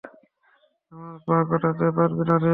আমার পা কাটতে পারবি না রে।